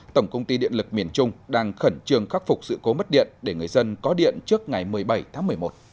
tổng công ty điện lực miền trung đang khẩn trương khắc phục sự cố mất điện để người dân có điện trước ngày một mươi bảy tháng một mươi một